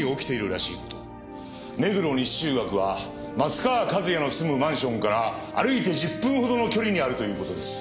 目黒西中学は松川一弥の住むマンションから歩いて１０分ほどの距離にあるという事です。